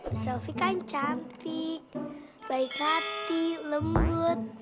bu selvi kan cantik baik hati lembut